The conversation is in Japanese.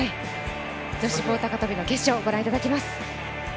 女子棒高跳決勝ご覧いただきます。